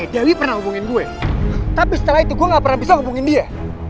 dewi pernah hubungin gue tapi setelah itu gue gak pernah bisa hubungin dia